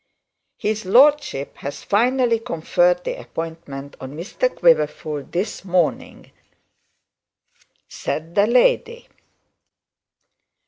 'His lordship has finally conferred the appointment on Mr Quiverful this morning,' said the lady.